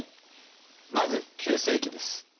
まず急性期です。